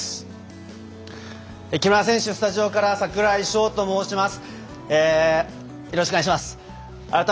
スタジオから櫻井翔と申します。